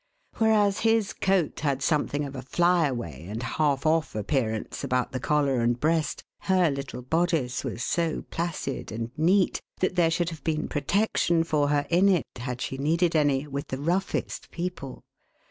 Whereas his coat had something of a fly away and half ofF appearance about the collar and breast, her little bodice was so placid and neat, that there should have been protection for her, in it, had she needed any, with the roughest people.